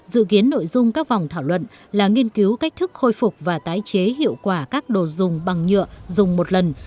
dự kiến nội dung các vòng thảo luận là nghiên cứu cách thức khôi phục và tái chế hiệu quả các đồ dùng bằng nhựa dùng một lần